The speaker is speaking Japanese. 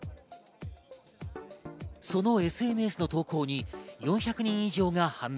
そのＳＮＳの投稿に４００人以上が反応。